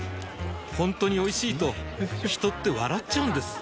ほんとにおいしいと人って笑っちゃうんです